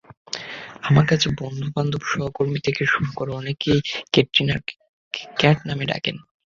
কাছের বন্ধু-বান্ধব, সহকর্মী থেকে শুরু করে অনেকেই ক্যাটরিনাকে ক্যাট নামে ডাকেন।